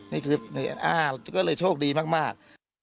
นี่คือก็เลยโชคดีมาก